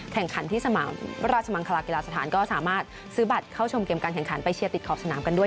แข่งขันที่สนามราชมังคลากีฬาสถานก็สามารถซื้อบัตรเข้าชมเกมการแข่งขันไปเชียร์ติดขอบสนามกันด้วย